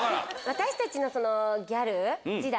私たちのギャル時代。